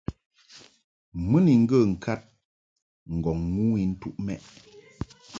Mɨ ni ŋgə ŋkad ŋgɔŋ ŋu intuʼ mɛ›.